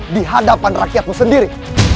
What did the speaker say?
di hadapan rakyatmu sendiri